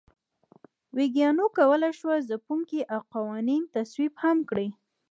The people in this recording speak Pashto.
ویګیانو کولای شول ځپونکي او قوانین تصویب هم کړي.